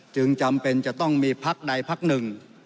จึงจำเป็นจะต้องมีพักใดพักหนึ่ง